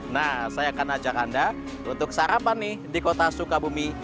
nah saya akan ajak anda untuk sarapan nih di kota sukabumi